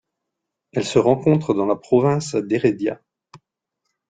Elle se rencontre dans la province d'Heredia.